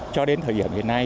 cho đến thời gian ngày nay